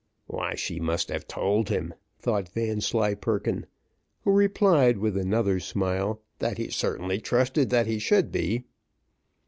"Why, she must have told him," thought Vanslyperken; who replied with another smile, "that he certainly trusted that he should be."